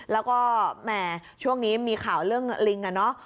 แล้วก็แหมช่วงนี้มีข่าวเรื่องลิงอะเนาะ